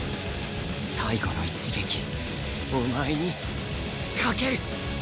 最後の一撃お前にかける！